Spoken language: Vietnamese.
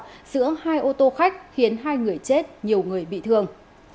giữa hai ô tô khách khiến hai người chết nhiều người bị thương